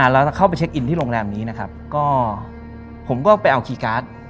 แล้วถ้าเข้าไปเช็คอินที่โรงแรมนี้นะครับก็ผมก็ไปเอาคีย์การ์ด